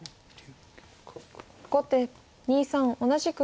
後手２三同じく玉。